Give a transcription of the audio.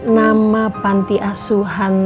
nama panti asuhan